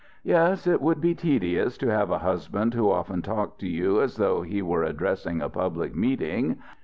Yes, it would be tedious to have a husband who often talked to you as though he were addressing a public meeting....